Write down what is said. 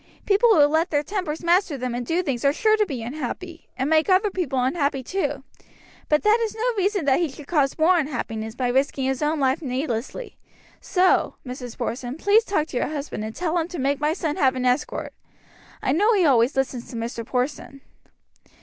People who let their tempers master them and do things are sure to be unhappy, and make other people unhappy, too; but that is no reason that he should cause more unhappiness by risking his own life needlessly, so, Mrs. Porson, please talk to your husband and tell him to make my son have an escort. I know he always listens to Mr. Porson.'"